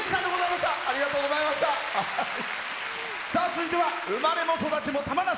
続いては生まれも育ちも玉名市。